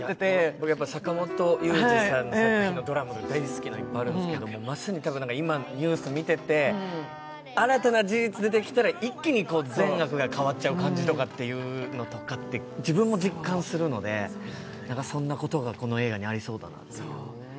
僕は坂元裕二さんの作品のドラマで大好きなのがいっぱいあるんですけど、今のニュースを見てて、新たな事実が出てきたら一気にこう、善悪が変わっちゃう感じとかって自分も実感するのでそんなことがこの映画にありそうだなっていう。